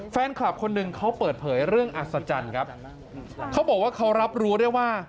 แฟนคลับคนหนึ่งเขาเปิดเผยเรื่องอัศจรรย์ครับเขาบอกว่าเขารับรู้ได้ว่า